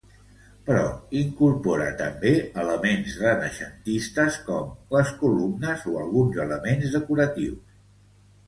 Però incorpora també elements renaixentistes com les columnes o alguns elements decoratius.